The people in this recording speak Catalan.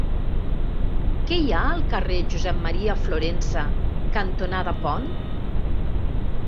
Què hi ha al carrer Josep M. Florensa cantonada Pont?